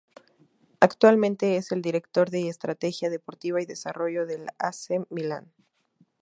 Actualmente, es el Director de Estrategia Deportiva y Desarrollo del A. C. Milan.